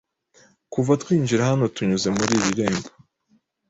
Kuva twinjira hano tunyuze muri iryo rembo